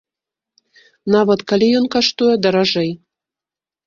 Нават калі ён каштуе даражэй.